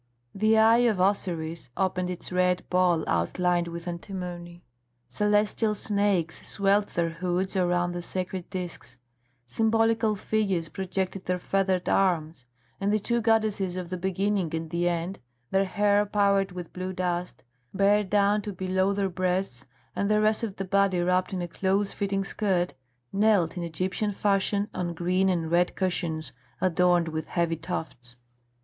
The eye of Osiris opened its red ball outlined with antimony. Celestial snakes swelled their hoods around the sacred discs; symbolical figures projected their feathered arms; and the two goddesses of the Beginning and the End, their hair powdered with blue dust, bare down to below the breasts and the rest of the body wrapped in a close fitting skirt, knelt in Egyptian fashion on green and red cushions adorned with heavy tufts.